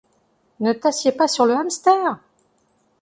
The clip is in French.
Ne t'assieds pas sur le hamster !